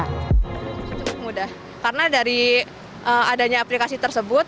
cukup mudah karena dari adanya aplikasi tersebut